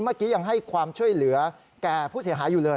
เมื่อกี้ยังให้ความช่วยเหลือแก่ผู้เสียหายอยู่เลย